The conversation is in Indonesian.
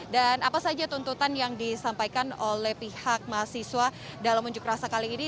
dan apa saja tuntutan yang disampaikan oleh pihak mahasiswa dalam unjuk rasa kali ini